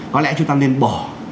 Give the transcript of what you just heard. có lẽ chúng ta nên bỏ